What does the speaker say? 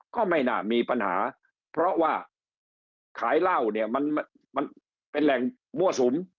ก็ไม่น่ามีปัญหาเพราะว่าร้านขายเหล้าเนี่ยมันเป็นแหล่งมั่วสุม